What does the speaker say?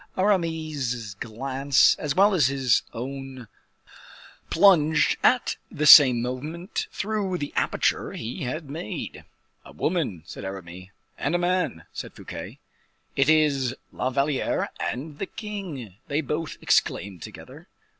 Aramis's glance as well as his own plunged at the same moment through the aperture he had made. "A woman," said Aramis. "And a man," said Fouquet. "It is La Valliere and the king," they both exclaimed together.